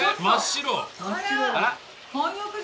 真っ白。